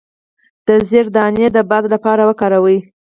د زیرې دانه د باد لپاره وکاروئ